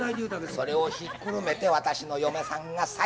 それをひっくるめて私の嫁さんが妻。